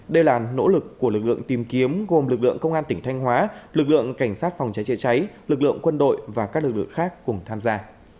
đây là nỗ lực của lực lượng tìm kiếm gồm lực lượng công an tỉnh thanh hóa lực lượng cảnh sát phòng cháy chữa cháy lực lượng quân đội và các lực lượng khác cùng tham gia